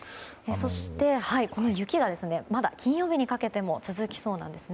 そしてこの雪がまだ金曜日にかけても続きそうなんです。